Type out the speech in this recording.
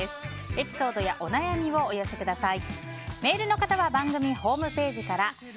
エピソードやお悩みをお寄せください。